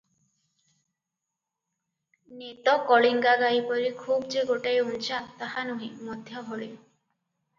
ନେତ କଳିଙ୍ଗା ଗାଈ ପରି ଖୁବ୍ ଯେ ଗୋଟାଏ ଉଞ୍ଚା, ତାହା ନୁହେଁ, ମଧ୍ୟଭଳି ।